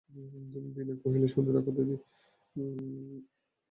বিনয় কহিল, শুনে রাখো দিদি!